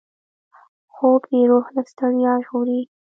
خوب د روح له ستړیا ژغوري